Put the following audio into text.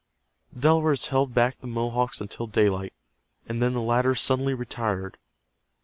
The Delawares held back the Mohawks until daylight, and then the latter suddenly retired.